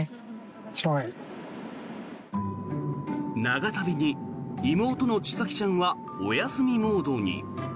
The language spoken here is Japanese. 長旅に妹の千咲ちゃんはお休みモードに。